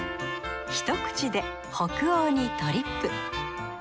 ひと口で北欧にトリップ。